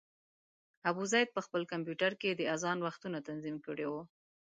ابوزید په خپل کمپیوټر کې د اذان وختونه تنظیم کړي وو.